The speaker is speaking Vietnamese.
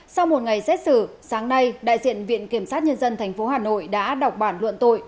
sau một ngày xét xử sáng nay đại diện viện kiểm sát nhân dân tp hà nội đã đọc bản luận tội